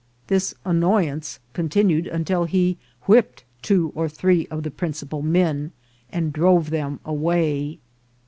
This annoyance con tinued until he whipped two or three of the principal men and drove them away.